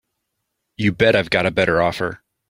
You bet I've got a better offer.